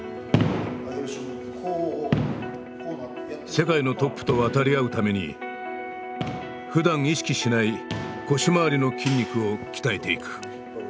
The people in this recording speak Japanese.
世界のトップと渡り合うためにふだん意識しない腰回りの筋肉を鍛えていく。